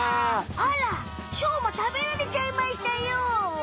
あらしょうま食べられちゃいましたよ。